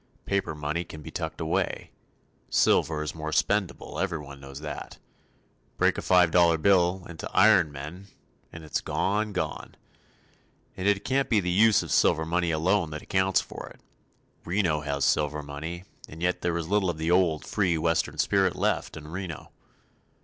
Paper money can be tucked away. Silver is more spendable, everyone knows that. Break a five dollar bill into "iron men," and it's gone, gone. And yet it can't be the use of silver money alone that accounts for it. Reno has silver money, and yet there is little of the old, free Western spirit left in Reno.